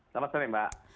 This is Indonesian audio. selamat sore mbak